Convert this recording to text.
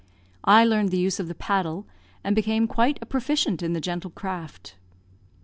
I learned the use of the paddle, and became quite a proficient in the gentle craft.